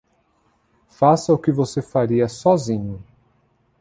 Faça o que você faria sozinho.